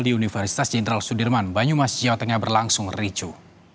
di universitas jenderal sudirman banyumas jawa tengah berlangsung ricu